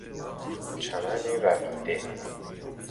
چمن رمیده